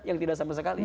yang tidak sama sekali